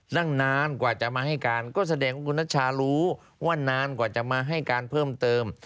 นั่งนานกว่าจะมาให้การก็แสดงว่าคุณนัชชารู้ว่านานกว่าจะมาให้การเพิ่มเติม